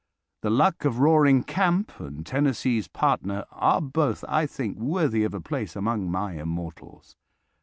"The Luck of Roaring Camp" and "Tennessee's Partner" are both, I think, worthy of a place among my immortals.